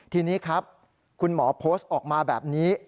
ทีนี้ครับคุณหมอโพสต์ออกมาแบบนี้